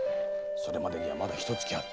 それまでにはまだひと月ある。